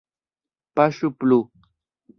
Paŝu plu!